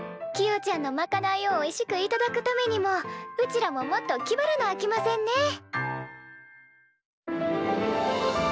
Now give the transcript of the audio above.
キヨちゃんのまかないをおいしく頂くためにもうちらももっときばらなあきませんね。